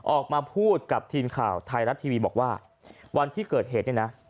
ออกมาพูดกับทีมข่าวไทยรัฐทีวีบอกว่าวันที่เกิดเหตุเนี่ยนะ